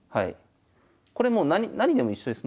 これもうなにでも一緒です。